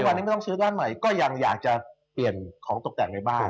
วันนี้ไม่ต้องซื้อบ้านใหม่ก็ยังอยากจะเปลี่ยนของตกแต่งในบ้าน